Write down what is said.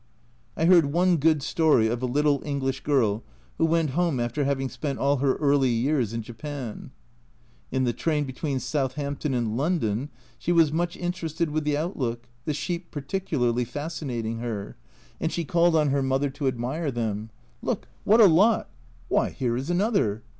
I heard one good story of a little English girl who went home after having spent all her early years in Japan. In the train between Southampton and London she was much interested with the outlook, the sheep particularly fascinating her, and she called on her mother to admire them :" Look, what a lot !" 180 A Journal from Japan "Why, here is another!"